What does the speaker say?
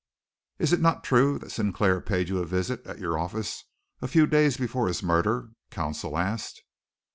"Is it not true that Sinclair paid you a visit at your offices a few days before his murder?" counsel asked.